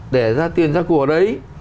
để ra tiền ra của đấy